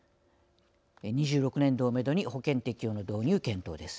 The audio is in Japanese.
２６年度をめどに保険適用の導入検討です。